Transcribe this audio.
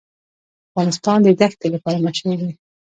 افغانستان د دښتې لپاره مشهور دی.